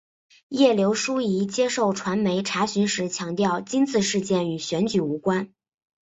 叶刘淑仪接受传媒查询时强调今次事件与选举无关。